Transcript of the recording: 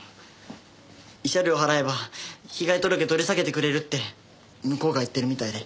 慰謝料払えば被害届取り下げてくれるって向こうが言ってるみたいで。